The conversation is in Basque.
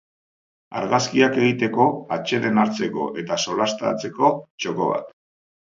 Argazkiak egiteko, atseden hartzeko eta solastatzeko txoko bat.